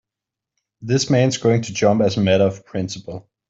This man's going to jump as a matter of principle.